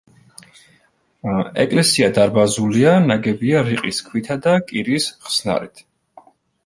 ეკლესია დარბაზულია ნაგებია რიყის ქვითა და კირის ხსნარით.